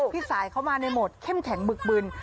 พี่สายเขามาในโหมดเข้มแข็งบึกบึน